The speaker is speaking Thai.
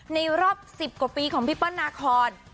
ในรอบ๑๐กว่าปีของพี่เปิ้ลนาคอน